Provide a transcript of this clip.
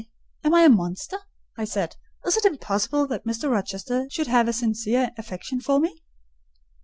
—am I a monster?" I said: "is it impossible that Mr. Rochester should have a sincere affection for me?"